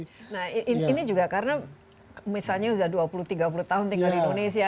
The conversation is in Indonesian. nah ini juga karena misalnya sudah dua puluh tiga puluh tahun tinggal di indonesia